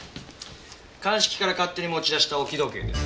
鑑識から勝手に持ち出した置き時計です。